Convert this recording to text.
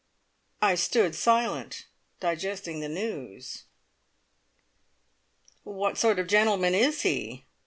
'" I stood silent, digesting the news. "What sort of a gentleman is he?